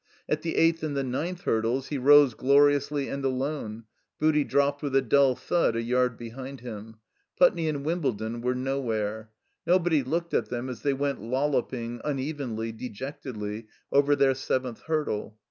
At the eighth and the ninth hurdles he rose glorious ly and alone ; Booty dropped with a dull thud a yard behind him. Putney and Wimbledon were nowhere. Nobody looked at them as they went lolloping, un evenly, dejectedly, over their seventh hurdle.